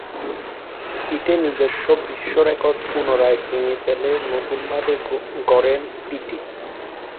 হিটে নিজস্ব বিশ্বরেকর্ড পুনরায় ভেঙে ফেলে নতুনভাবে গড়েন পিটি।